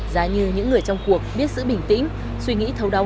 giá như những người trong cuộc biết giữ bình tĩnh suy nghĩ thấu đáo hơn